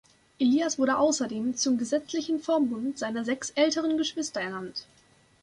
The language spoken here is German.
Elias wurde außerdem zum gesetzlichen Vormund seiner sechs älteren Geschwister ernannt.